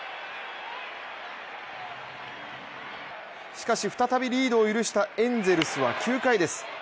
しかし再びリードを許したエンゼルスは、９回です。